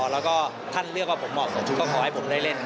แล้วก็ท่านเลือกว่าผมเหมาะสมชุดก็ขอให้ผมได้เล่น